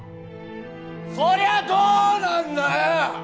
そりゃどうなんだよ